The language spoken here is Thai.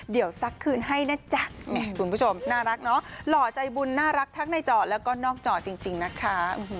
เดี๋ยวซักคืนให้นะจ๊ะแม่คุณผู้ชมน่ารักเนาะหล่อใจบุญน่ารักทั้งในจอแล้วก็นอกจอจริงนะคะ